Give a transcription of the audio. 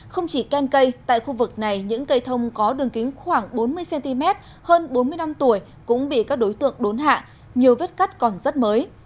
không chỉ khen cây tại khu vực này những cây thông có đường kính khoảng bốn mươi cm hơn bốn mươi năm tuổi cũng bị các đối tượng đốn hạ nhiều vết cắt còn rất mới